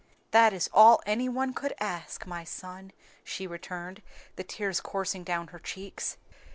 "That is all any one could ask, my son," she returned, the tears coursing down her cheeks.